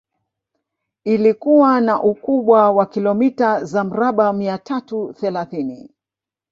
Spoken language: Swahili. Ilikuwa na ukubwa wa kilomita za mraba mia tatu thelathini